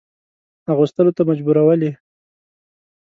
اغوستلو ته مجبورولې.